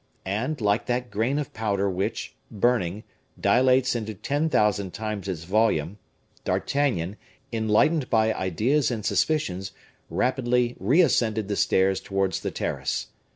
And, like that grain of powder which, burning, dilates into ten thousand times its volume, D'Artagnan, enlightened by ideas and suspicions, rapidly reascended the stairs towards the terrace.